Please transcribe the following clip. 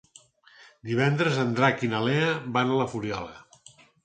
Divendres en Drac i na Lea van a la Fuliola.